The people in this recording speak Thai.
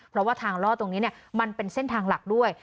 เพราะว่าทางล่อตรงนี้มันเป็นเส้นทางหลักด้วย